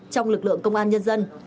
trong lực lượng công an nhân dân